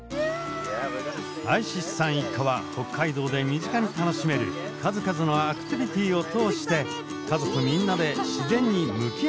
アイシスさん一家は北海道で身近に楽しめる数々のアクティビティーを通して家族みんなで自然に向き合ってきました。